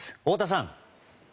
太田さん。